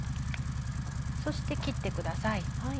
そして切ってください。